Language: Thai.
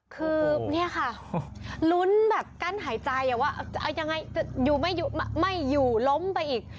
คือเนี่ยค่ะลุ้นกั้นหายใจอย่างงี้ว่าไปอย่างไรอยู่ไม่อยู่ร้มไปอีก